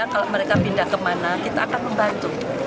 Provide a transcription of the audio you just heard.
kalau mereka pindah kemana kita akan membantu